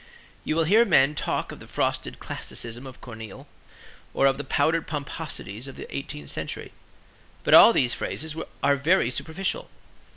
You will hear men talk of the frosted classicism of Corneille or of the powdered pomposities of the eighteenth century, but all these phrases are very superficial.